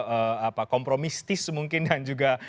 eee apa kompromistis mungkin dan juga